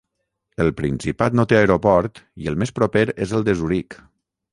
El principat no té aeroport i el més proper és el de Zuric.